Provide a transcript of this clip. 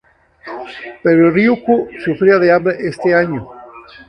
Pero Ryukyu sufría de hambre en este año.